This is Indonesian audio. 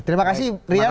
terima kasih rian